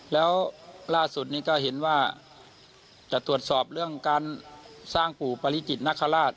แล้วล่าสุดนี้ก็เห็นว่าจะตรวจสอบเรื่องการสร้างปู่ปริจิตนคราช